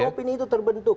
yang itu opini itu terbentuk